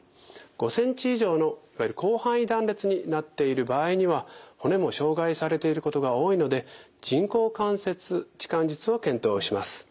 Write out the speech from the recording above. ５ｃｍ以上のいわゆる広範囲断裂になっている場合には骨も傷害されていることが多いので人工関節置換術を検討します。